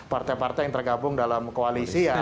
partai partai yang tergabung dalam koalisi ya